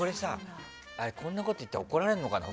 こんなこと言ったら怒られるのかな。